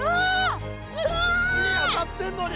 火当たってんのに！